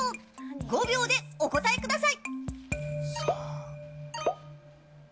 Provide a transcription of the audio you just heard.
５秒でお答えください。